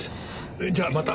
じゃあまた。